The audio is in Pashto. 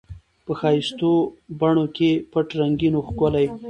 په ښایستو بڼو کي پټ رنګین وو ښکلی